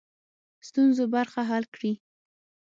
ستونزو برخه حل کړي.